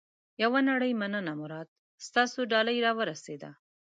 یوه نړۍ مننه مراد. ستاسو ډالۍ را ورسېده.